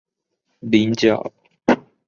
羚角密刺蟹为蜘蛛蟹科密刺蟹属的动物。